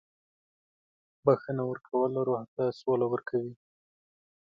• بخښنه ورکول روح ته سوله ورکوي.